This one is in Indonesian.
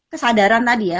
kesadaran tadi ya